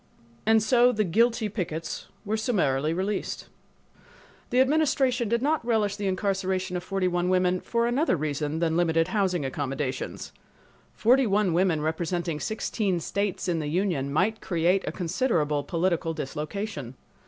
And so the "guilty" pickets were summarily released. The Administration did not relish the incarceration of forty one women for another reason than limited housing accommodations. Forty one women representing sixteen states in the union might create a considerable political dislocation.